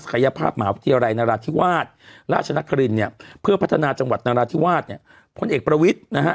กายภาพมหาวิทยาลัยนราธิวาสราชนครินเนี่ยเพื่อพัฒนาจังหวัดนาราธิวาสเนี่ยพลเอกประวิทย์นะฮะ